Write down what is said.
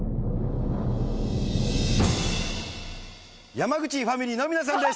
山口ファミリーの皆さんです。